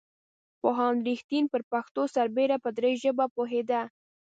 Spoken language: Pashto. پوهاند رښتین پر پښتو سربېره په دري ژبه پوهېده.